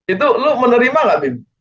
itu lo menerima gak tim